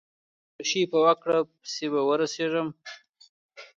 د درېشۍ په وکړه پسې به ورسېږم.